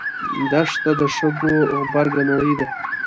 دښته د شګو غبرګه نړۍ ده.